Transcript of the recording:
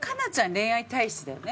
恋愛体質だよね？